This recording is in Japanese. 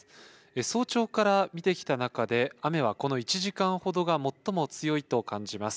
早朝から見てきた中で雨はこの１時間ほどが最も強いと感じます。